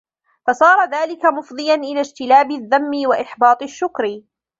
فَصَارَ ذَلِكَ مُفْضِيًا إلَى اجْتِلَابِ الذَّمِّ وَإِحْبَاطِ الشُّكْرِ